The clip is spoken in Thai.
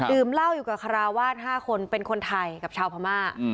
เหล้าอยู่กับคาราวาส๕คนเป็นคนไทยกับชาวพม่า